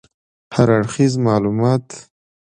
هراړخیز معلومات